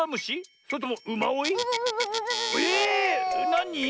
なに？